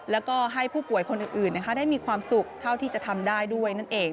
แล้วก็ให้ผู้ป่วยคนอื่นได้มีความสุขเท่าที่จะทำได้ด้วยนั่นเอง